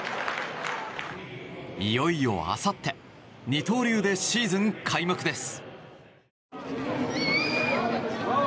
いよいよ、あさって二刀流でシーズン開幕です。